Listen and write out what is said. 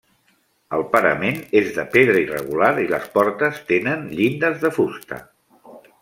El parament és de pedra irregular i les portes tenen llindes de fusta.